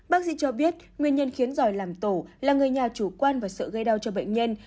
bác sĩ cho biết nguyên nhân khiến giỏi làm tổ là người nhà chủ quan và sợ gây đau cho bệnh nhân